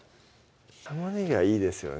玉ねぎはいいですよね